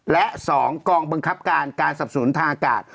และ๒กองบังคับการการสับสนทางอากาศ